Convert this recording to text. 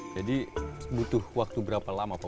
jadi butuh waktu berapa lama pak